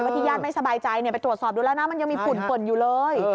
ที่ญาติไม่สบายใจไปตรวจสอบดูแล้วนะมันยังมีฝุ่นป่นอยู่เลย